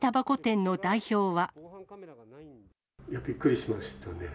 びっくりしましたね。